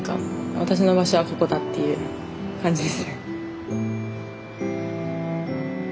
私の場所はここだっていう感じですね。